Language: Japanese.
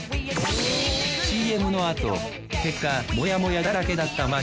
ＣＭのあと結果モヤモヤだらけだった街